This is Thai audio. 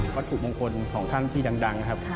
วัตถุมงคลของท่านที่ดังนะครับ